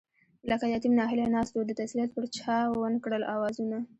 لکه يتيم ناهيلی ناست وو، د تسليت پرې چا ونکړل آوازونه